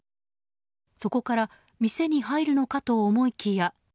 そこから店に入るのかと思いきや